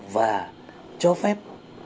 và cho phép